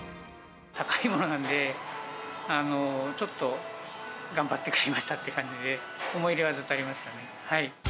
高いものなんで、ちょっと頑張って買いましたって感じで、思い入れはずっとありましたね。